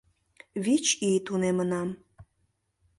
Вич ий тунемынам.